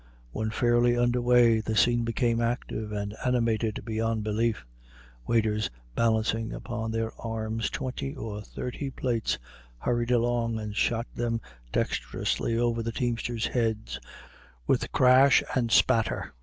When fairly under way the scene became active and animated beyond belief. Waiters, balancing upon their arms twenty or thirty plates, hurried along and shot them dexterously over the teamsters' heads with crash and spatter.